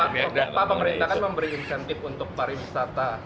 pak pemerintah kan memberi insentif untuk pariwisata